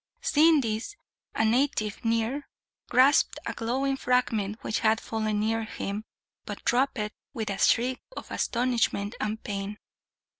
Seeing this, a native near grasped a glowing fragment which had fallen near him, but dropped it with a shriek of astonishment and pain.